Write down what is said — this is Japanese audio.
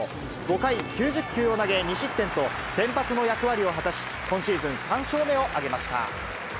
５回９０球を投げ２失点と、先発の役割を果たし、今シーズン３勝目を挙げました。